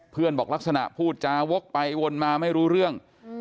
บอกลักษณะพูดจาวกไปวนมาไม่รู้เรื่อง